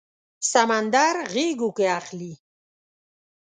سمندر غیږو کې اخلي